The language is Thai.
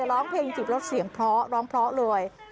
ร้องเพลงจีบแล้วเสียงเพราะร้องเพราะเลย